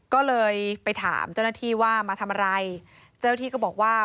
ก็เลยไปถามเจ้าหน้าที่ว่ามาทำอะไรเจ้าที่ก็บอกว่า